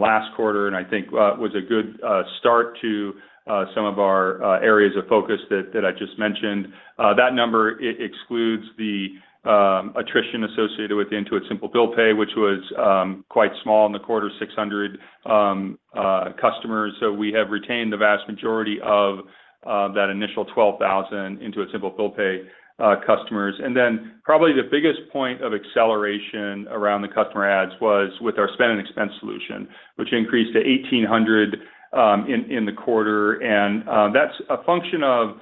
last quarter, and I think was a good start to some of our areas of focus that I just mentioned. That number excludes the attrition associated with the Intuit Simple Bill Pay, which was quite small in the quarter, 600 customers. So we have retained the vast majority of that initial 12,000 Intuit Simple Bill Pay customers. And then probably the biggest point of acceleration around the customer adds was with our spend and expense solution, which increased to 1,800 in the quarter. That's a function of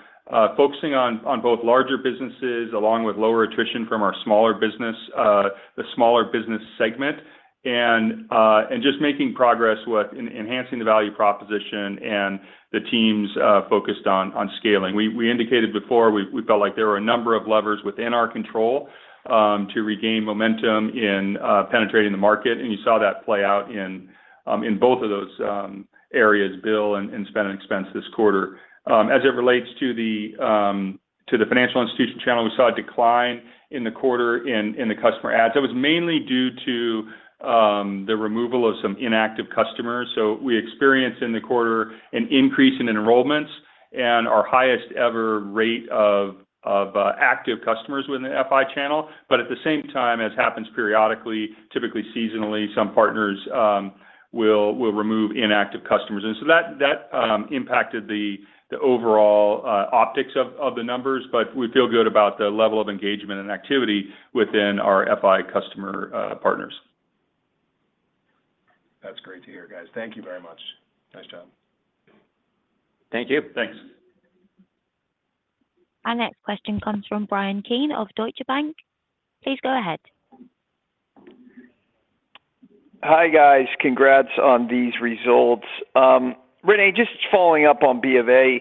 focusing on both larger businesses, along with lower attrition from our smaller business, the smaller business segment, and just making progress with enhancing the value proposition and the teams focused on scaling. We indicated before, we felt like there were a number of levers within our control to regain momentum in penetrating the market, and you saw that play out in both of those areas, BILL and spend and expense this quarter. As it relates to the financial institution channel, we saw a decline in the quarter in the customer adds. That was mainly due to the removal of some inactive customers. So we experienced in the quarter an increase in enrollments and our highest ever rate of active customers within the FI channel. But at the same time, as happens periodically, typically seasonally, some partners will remove inactive customers. And so that impacted the overall optics of the numbers, but we feel good about the level of engagement and activity within our FI customer partners. That's great to hear, guys. Thank you very much. Nice job. Thank you. Thanks. Our next question comes from Bryan Keane of Deutsche Bank. Please go ahead. Hi, guys. Congrats on these results. René, just following up on BofA,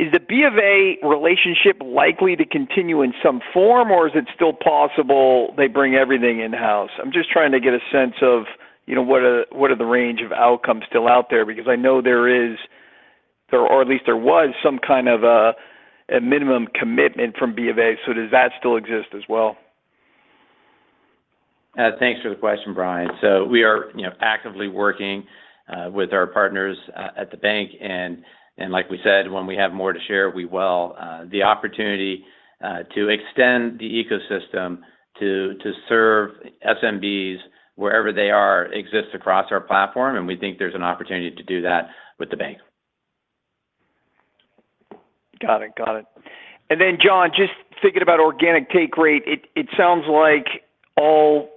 is the BofA relationship likely to continue in some form, or is it still possible they bring everything in-house? I'm just trying to get a sense of, you know, what are the range of outcomes still out there, because I know there is, or at least there was, some kind of a minimum commitment from BofA, so does that still exist as well? Thanks for the question, Bryan. So we are, you know, actively working with our partners at the bank, and, and like we said, when we have more to share, we will. The opportunity to extend the ecosystem to serve SMBs wherever they are exists across our platform, and we think there's an opportunity to do that with the bank. Got it. Got it. And then, John, just thinking about organic take rate, it sounds like all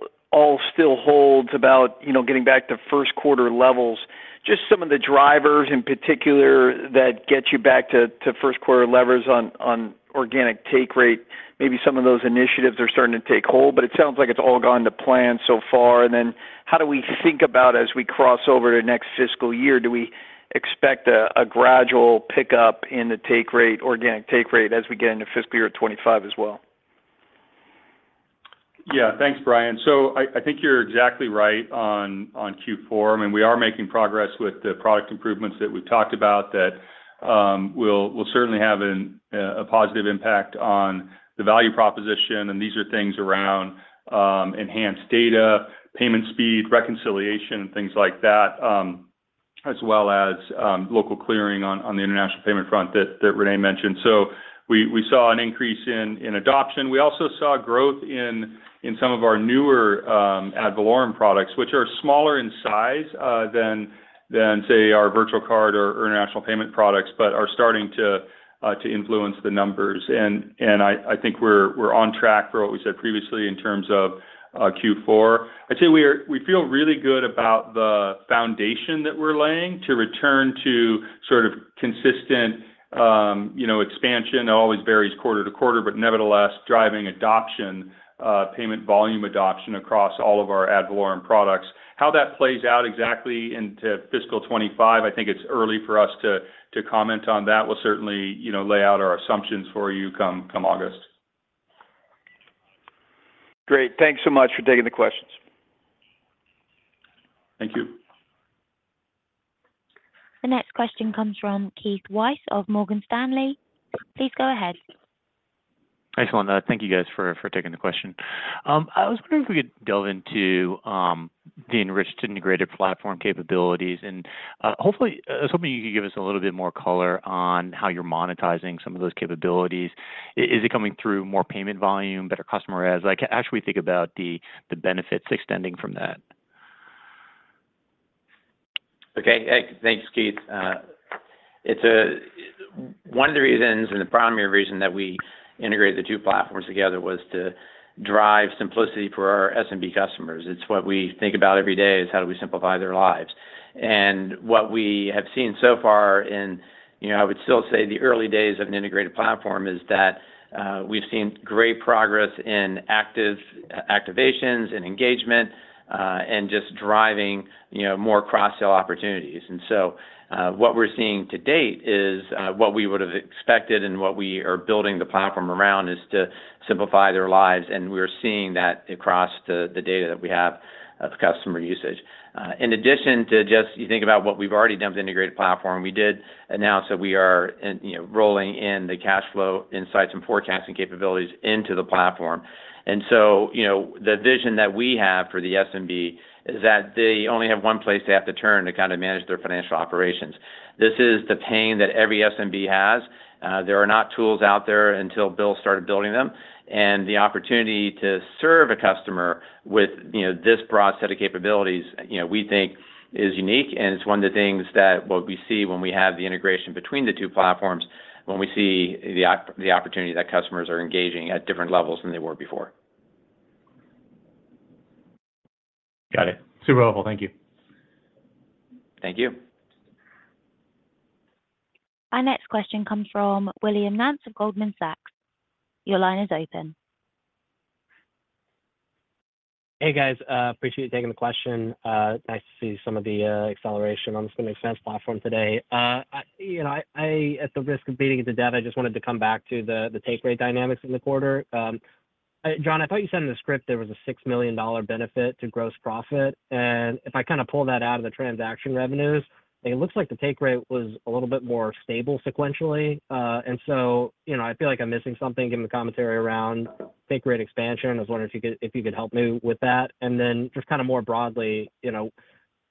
still holds about, you know, getting back to first quarter levels... Just some of the drivers in particular that get you back to first quarter levels on organic take rate, maybe some of those initiatives are starting to take hold, but it sounds like it's all gone to plan so far. And then how do we think about as we cross over to next fiscal year? Do we expect a gradual pickup in the take rate, organic take rate, as we get into fiscal year 2025 as well? Yeah. Thanks, Brian. So I, I think you're exactly right on, on Q4. I mean, we are making progress with the product improvements that we've talked about that, will, will certainly have an, a positive impact on the value proposition, and these are things around, enhanced data, payment speed, reconciliation, and things like that, as well as, local clearing on, on the international payment front that, that René mentioned. So we, we saw an increase in, in adoption. We also saw growth in, in some of our newer, ad valorem products, which are smaller in size, than, than, say, our virtual card or international payment products, but are starting to, to influence the numbers. And, and I, I think we're, we're on track for what we said previously in terms of, Q4. I'd say we feel really good about the foundation that we're laying to return to sort of consistent, you know, expansion. It always varies quarter to quarter, but nevertheless, driving adoption, payment volume adoption across all of our ad valorem products. How that plays out exactly into fiscal 25, I think it's early for us to comment on that. We'll certainly, you know, lay out our assumptions for you come August. Great. Thanks so much for taking the questions. Thank you. The next question comes from Keith Weiss of Morgan Stanley. Please go ahead. Thanks a lot. Thank you guys for taking the question. I was wondering if we could delve into the enriched integrated platform capabilities, and hopefully something you could give us a little bit more color on how you're monetizing some of those capabilities. Is it coming through more payment volume, better customer ads? Like, how should we think about the benefits extending from that? Okay. Hey, thanks, Keith. It's one of the reasons and the primary reason that we integrated the two platforms together was to drive simplicity for our SMB customers. It's what we think about every day, is how do we simplify their lives? And what we have seen so far in, you know, I would still say the early days of an integrated platform, is that, we've seen great progress in active activations and engagement, and just driving, you know, more cross-sell opportunities. And so, what we're seeing to date is, what we would have expected and what we are building the platform around, is to simplify their lives, and we're seeing that across the data that we have of customer usage. In addition to just... You think about what we've already done with integrated platform, we did announce that we are in, you know, rolling in the cash flow insights and forecasting capabilities into the platform. And so, you know, the vision that we have for the SMB is that they only have one place they have to turn to kind of manage their financial operations. This is the pain that every SMB has. There are not tools out there until BILL started building them. And the opportunity to serve a customer with, you know, this broad set of capabilities, you know, we think is unique, and it's one of the things that what we see when we have the integration between the two platforms, when we see the opportunity that customers are engaging at different levels than they were before. Got it. Super helpful. Thank you. Thank you. Our next question comes from Will Nance of Goldman Sachs. Your line is open. Hey, guys, appreciate you taking the question. Nice to see some of the acceleration on the Spend and Expense platform today. You know, at the risk of beating it to death, I just wanted to come back to the take rate dynamics in the quarter. John, I thought you said in the script there was a $6 million benefit to gross profit, and if I kind of pull that out of the transaction revenues, it looks like the take rate was a little bit more stable sequentially. And so, you know, I feel like I'm missing something, given the commentary around take rate expansion. I was wondering if you could help me with that. And then just kind of more broadly, you know,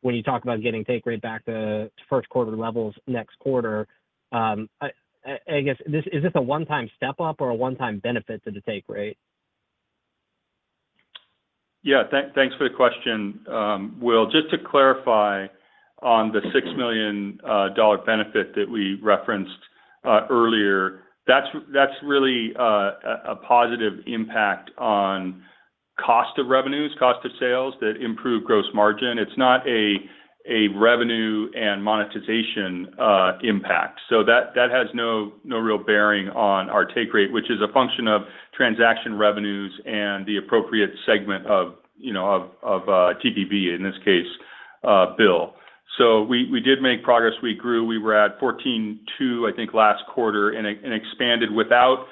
when you talk about getting take rate back to first quarter levels next quarter, I guess, is this a one-time step up or a one-time benefit to the take rate? Yeah, thanks for the question, Will. Just to clarify on the $6 million benefit that we referenced earlier, that's really a positive impact on cost of revenues, cost of sales, that improve gross margin. It's not a revenue and monetization impact. So that has no real bearing on our take rate, which is a function of transaction revenues and the appropriate segment of, you know, of TPV, in this case, Bill. So we did make progress. We grew. We were at 14.2, I think, last quarter, and expanded without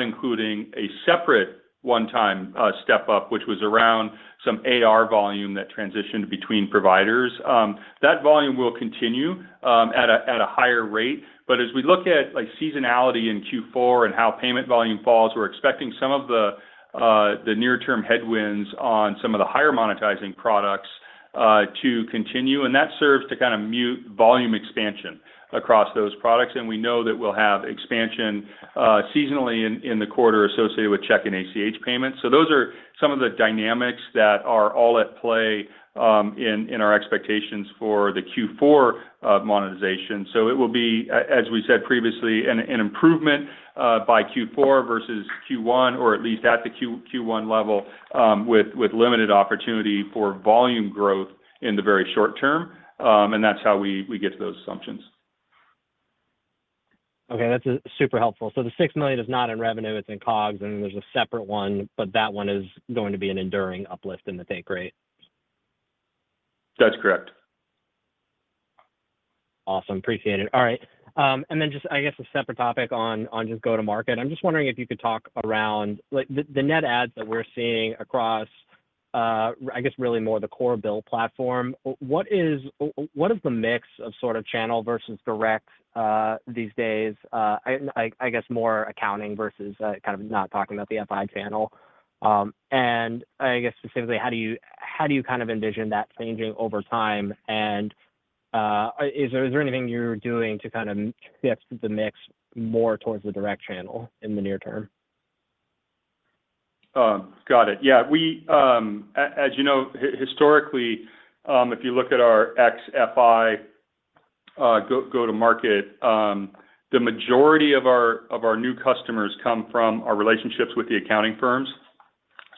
including a separate one-time step-up, which was around some AR volume that transitioned between providers. That volume will continue at a higher rate. But as we look at, like, seasonality in Q4 and how payment volume falls, we're expecting some of the near-term headwinds on some of the higher monetizing products to continue, and that serves to kind of mute volume expansion across those products. And we know that we'll have expansion seasonally in the quarter associated with check and ACH payments. So those are some of the dynamics that are all at play in our expectations for the Q4 monetization. So it will be, as we said previously, an improvement by Q4 versus Q1, or at least at the Q1 level, with limited opportunity for volume growth in the very short term, and that's how we get to those assumptions. Okay, that's super helpful. So the $6 million is not in revenue, it's in COGS, and then there's a separate one, but that one is going to be an enduring uplift in the take rate? That's correct. Awesome, appreciate it. All right, and then just, I guess, a separate topic on just go-to-market. I'm just wondering if you could talk around, like, the net adds that we're seeing across, I guess, really more the core BILL platform. What is the mix of sort of channel versus direct these days? I guess more accounting versus, kind of not talking about the FI channel. And I guess, specifically, how do you kind of envision that changing over time? And, is there anything you're doing to kind of shift the mix more towards the direct channel in the near term? Got it. Yeah, as you know, historically, if you look at our ex-FI go-to-market, the majority of our new customers come from our relationships with the accounting firms,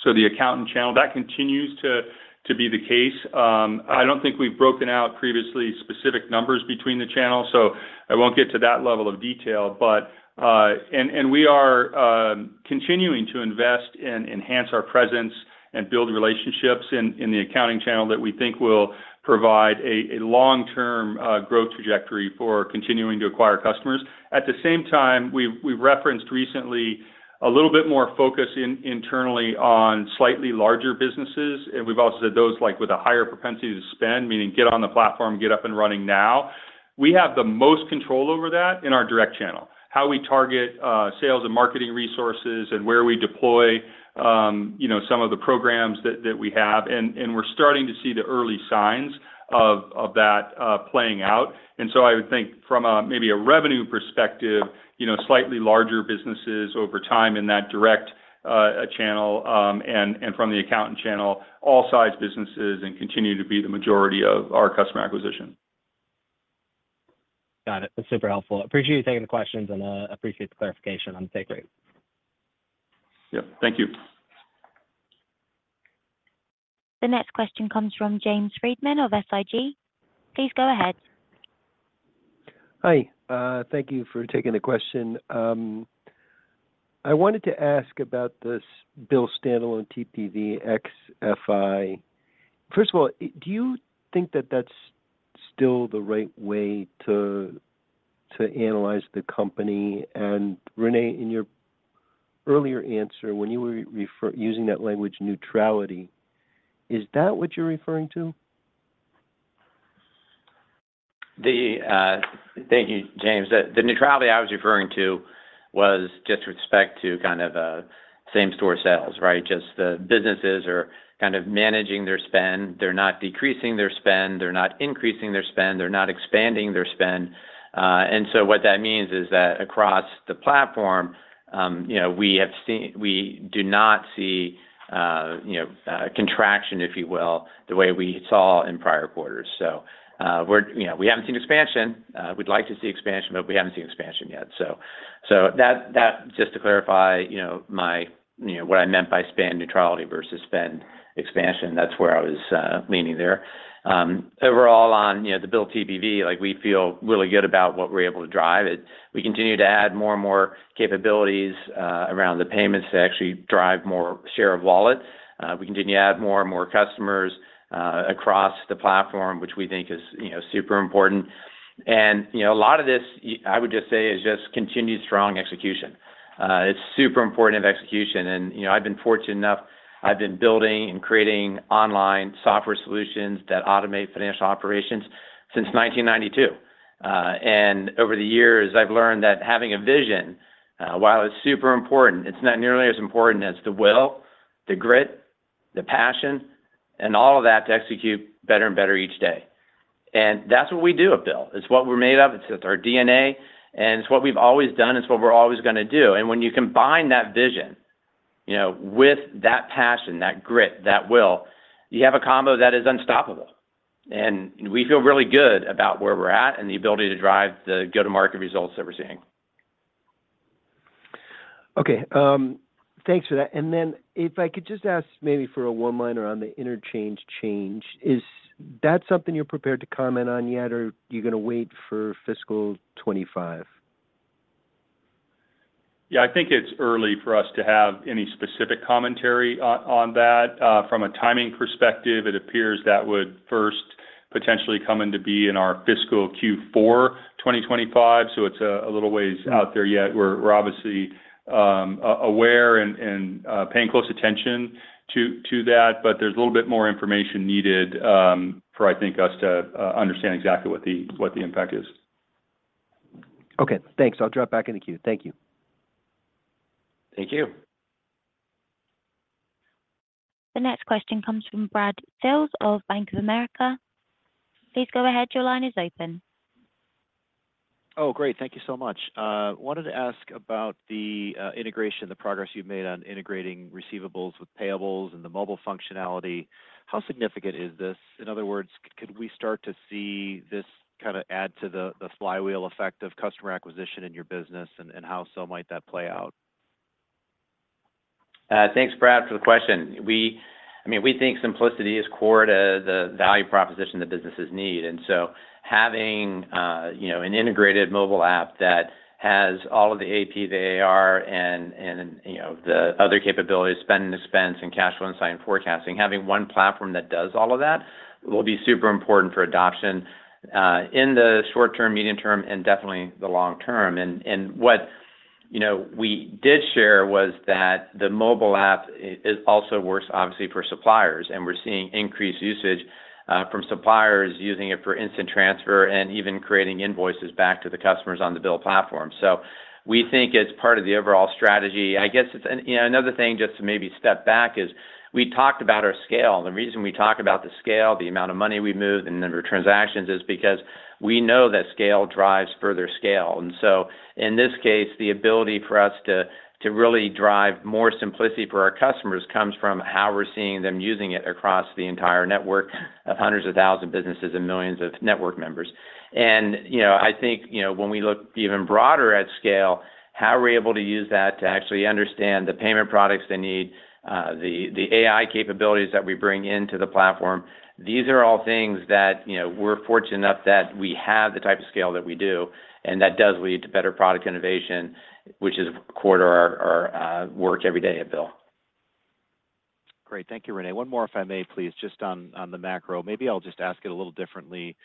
so the accountant channel. That continues to be the case. I don't think we've broken out previously specific numbers between the channels, so I won't get to that level of detail. And we are continuing to invest and enhance our presence and build relationships in the accounting channel that we think will provide a long-term growth trajectory for continuing to acquire customers. At the same time, we've referenced recently a little bit more focus internally on slightly larger businesses, and we've also said those, like, with a higher propensity to spend, meaning get on the platform, get up and running now. We have the most control over that in our direct channel, how we target sales and marketing resources and where we deploy you know, some of the programs that we have. And we're starting to see the early signs of that playing out. And so I would think from a maybe a revenue perspective, you know, slightly larger businesses over time in that direct channel, and from the accountant channel, all size businesses and continue to be the majority of our customer acquisition. Got it. That's super helpful. Appreciate you taking the questions, and appreciate the clarification on the take rate. Yep, thank you. The next question comes from James Friedman of SIG. Please go ahead. Hi, thank you for taking the question. I wanted to ask about this BILL standalone TPV ex-FI. First of all, do you think that that's still the right way to analyze the company? And René, in your earlier answer, when you were referring using that language, neutrality, is that what you're referring to? Thank you, James. The neutrality I was referring to was just with respect to kind of same-store sales, right? Just the businesses are kind of managing their spend. They're not decreasing their spend, they're not increasing their spend, they're not expanding their spend. And so what that means is that across the platform, you know, we have seen. We do not see, you know, contraction, if you will, the way we saw in prior quarters. So, we're, you know, we haven't seen expansion. We'd like to see expansion, but we haven't seen expansion yet. So that, just to clarify, you know, my, you know, what I meant by spend neutrality versus spend expansion, that's where I was leaning there. Overall, on, you know, the BILL TPV, like, we feel really good about what we're able to drive. We continue to add more and more capabilities around the payments to actually drive more share of wallet. We continue to add more and more customers across the platform, which we think is, you know, super important. And, you know, a lot of this, I would just say, is just continued strong execution. It's super important of execution. And, you know, I've been fortunate enough, I've been building and creating online software solutions that automate financial operations since 1992. And over the years, I've learned that having a vision, while it's super important, it's not nearly as important as the will, the grit, the passion, and all of that to execute better and better each day. That's what we do at Bill. It's what we're made of, it's at our DNA, and it's what we've always done, and it's what we're always gonna do. When you combine that vision, you know, with that passion, that grit, that will, you have a combo that is unstoppable. We feel really good about where we're at and the ability to drive the go-to-market results that we're seeing. Okay, thanks for that. And then if I could just ask maybe for a one-liner on the interchange change, is that something you're prepared to comment on yet, or you're gonna wait for fiscal 2025? Yeah, I think it's early for us to have any specific commentary on that. From a timing perspective, it appears that would first potentially come into be in our fiscal Q4 2025, so it's a little ways out there yet. We're obviously aware and paying close attention to that, but there's a little bit more information needed for, I think, us to understand exactly what the impact is. Okay, thanks. I'll drop back in the queue. Thank you. Thank you. The next question comes from Brad Sills of Bank of America. Please go ahead, your line is open. Oh, great! Thank you so much. Wanted to ask about the integration, the progress you've made on integrating receivables with payables and the mobile functionality. How significant is this? In other words, could we start to see this kind of add to the flywheel effect of customer acquisition in your business, and how so might that play out? Thanks, Brad, for the question. I mean, we think simplicity is core to the value proposition that businesses need, and so having, you know, an integrated mobile app that has all of the AP, the AR, and, you know, the other capabilities, spend and expense, and cash flow insight and forecasting, having one platform that does all of that will be super important for adoption in the short term, medium term, and definitely the long term. And what, you know, we did share was that the mobile app it also works obviously for suppliers, and we're seeing increased usage from suppliers using it for instant transfer and even creating invoices back to the customers on the BILL platform. So we think it's part of the overall strategy. I guess it's... You know, another thing, just to maybe step back, is we talked about our scale. The reason we talk about the scale, the amount of money we move and the number of transactions, is because we know that scale drives further scale. And so in this case, the ability for us to really drive more simplicity for our customers comes from how we're seeing them using it across the entire network of hundreds of thousand businesses and millions of network members. You know, I think, you know, when we look even broader at scale, how we're able to use that to actually understand the payment products they need, the AI capabilities that we bring into the platform, these are all things that, you know, we're fortunate enough that we have the type of scale that we do, and that does lead to better product innovation, which is core to our work every day at BILL. Great. Thank you, René. One more, if I may please, just on, on the macro. Maybe I'll just ask it a little differently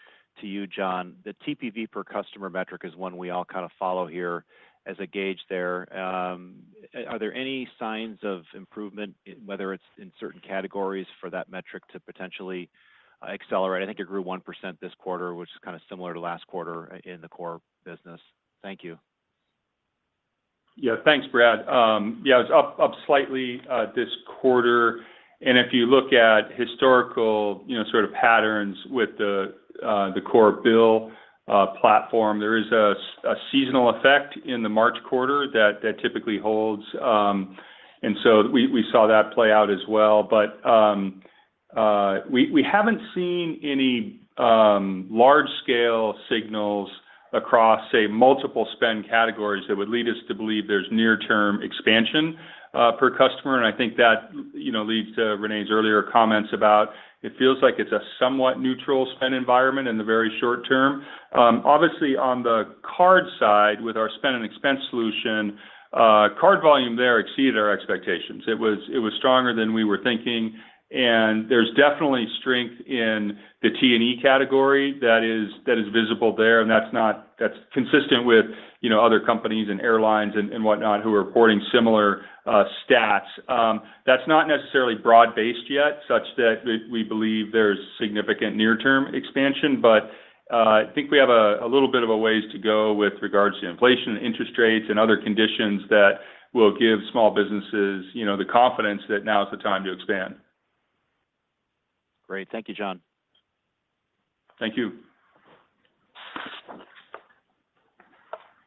to you, John. The TPV per customer metric is one we all kind of follow here as a gauge there. Are there any signs of improvement, whether it's in certain categories, for that metric to potentially accelerate? I think it grew 1% this quarter, which is kind of similar to last quarter in the core business. Thank you. Yeah. Thanks, Brad. Yeah, it's up slightly this quarter, and if you look at historical, you know, sort of patterns with the core BILL platform, there is a seasonal effect in the March quarter that typically holds. And so we saw that play out as well. But we haven't seen any large scale signals across, say, multiple spend categories that would lead us to believe there's near-term expansion per customer, and I think that, you know, leads to René's earlier comments about it feels like it's a somewhat neutral spend environment in the very short term. Obviously, on the card side, with our spend and expense solution, card volume there exceeded our expectations. It was, it was stronger than we were thinking, and there's definitely strength in the T&E category that is, that is visible there, and that's consistent with, you know, other companies and airlines and whatnot, who are reporting similar stats. That's not necessarily broad based yet, such that we believe there's significant near-term expansion, but I think we have a little bit of a ways to go with regards to inflation and interest rates and other conditions that will give small businesses, you know, the confidence that now is the time to expand. Great. Thank you, John. Thank you.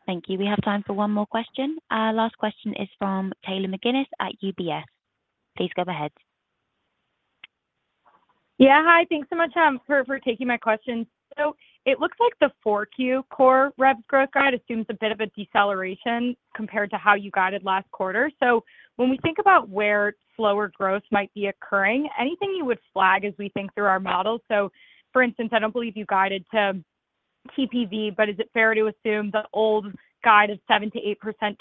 Thank you. We have time for one more question. Our last question is from Taylor McGinnis at UBS. Please go ahead. Yeah, hi. Thanks so much for taking my question. So it looks like the 4Q core rev growth guide assumes a bit of a deceleration compared to how you guided last quarter. So when we think about where slower growth might be occurring, anything you would flag as we think through our model? So for instance, I don't believe you guided to TPV, but is it fair to assume the old guide of 7%-8%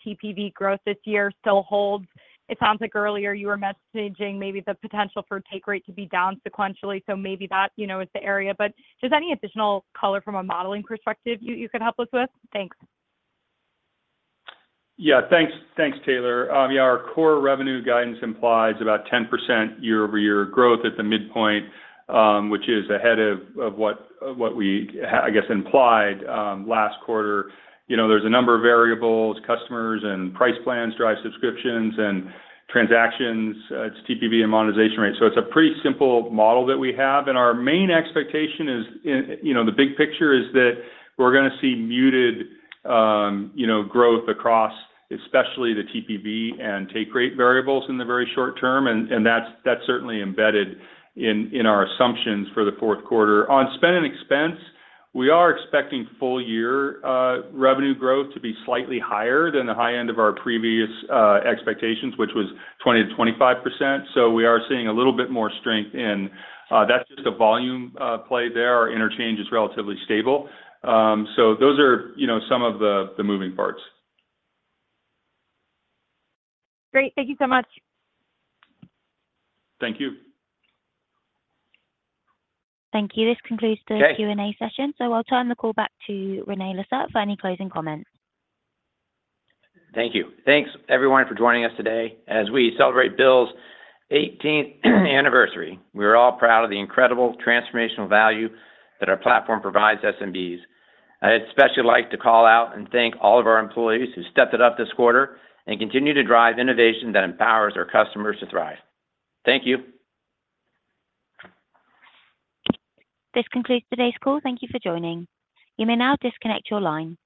TPV growth this year still holds? It sounds like earlier you were messaging maybe the potential for take rate to be down sequentially, so maybe that, you know, is the area. But just any additional color from a modeling perspective you could help us with? Thanks. Yeah. Thanks, thanks, Taylor. Yeah, our core revenue guidance implies about 10% year-over-year growth at the midpoint, which is ahead of what we, I guess, implied last quarter. You know, there's a number of variables, customers and price plans drive subscriptions and transactions. It's TPV and monetization rate. So it's a pretty simple model that we have, and our main expectation is in... You know, the big picture is that we're gonna see muted, you know, growth across especially the TPV and take rate variables in the very short term, and that's certainly embedded in our assumptions for the fourth quarter. On spend and expense, we are expecting full year revenue growth to be slightly higher than the high end of our previous expectations, which was 20%-25%. So we are seeing a little bit more strength in, that's just a volume play there. Our interchange is relatively stable. So those are, you know, some of the moving parts. Great. Thank you so much. Thank you. Thank you. This concludes the, Okay... Q&A session, so I'll turn the call back to René Lacerte for any closing comments. Thank you. Thanks, everyone, for joining us today. As we celebrate BILL's eighteenth anniversary, we're all proud of the incredible transformational value that our platform provides SMBs. I'd especially like to call out and thank all of our employees who stepped it up this quarter and continue to drive innovation that empowers our customers to thrive. Thank you. This concludes today's call. Thank you for joining. You may now disconnect your line.